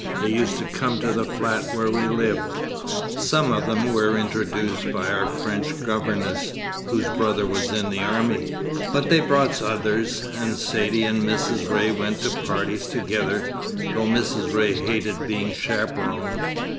They used to come to the flat where we lived. Some of them were introduced by our French governess, whose brother was in the army, but they brought others, and Saidee and Mrs. Ray went to parties together, though Mrs. Ray hated being chaperon.